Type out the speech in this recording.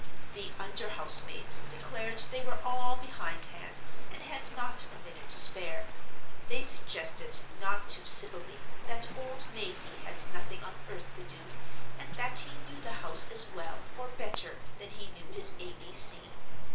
The under house maids declared they were all behindhand and had not a minute to spare—they suggested, not too civilly, that old Mazey had nothing on earth to do, and that he knew the house as well, or better, than he knew his A B C.